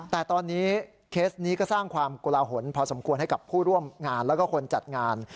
แต่ตอนนี้เคสนี้ก็สร้างความกลาหลพอสมควรให้กับผู้ร่วมงานแล้วก็คนจัดงาน